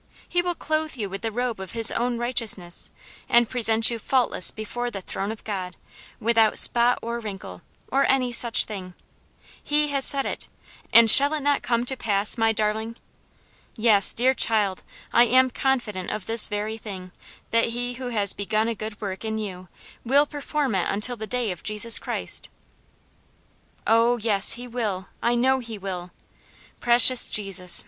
He will clothe you with the robe of his own righteousness, and present you faultless before the throne of God, without spot or wrinkle, or any such thing. He has said it, and shall it not come to pass, my darling? Yes, dear child, I am confident of this very thing, that he who has begun a good work in you will perform it until the day of Jesus Christ." "Oh, yes, he will, I know he will. Precious Jesus!